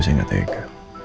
saya gak tega